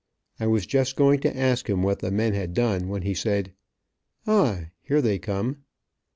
I was just going to ask him what the men had done, when he said: "Ah, there they come."